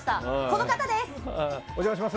この方です！